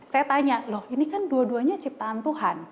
saya tanya loh ini kan dua duanya ciptaan tuhan